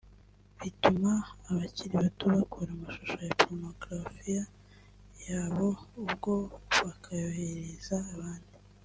bituma abakira bato bakora amashusho ya porunogarafiya yabo ubwabo bakayoherereza abandi